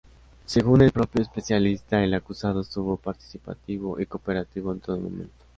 Según el propio especialista, el acusado estuvo participativo y cooperativo en todo momento.